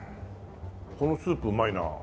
このスープうまいな。